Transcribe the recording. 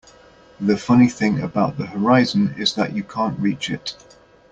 The funny thing about the horizon is that you can't reach it.